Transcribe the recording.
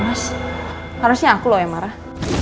mas harusnya aku loh yang marah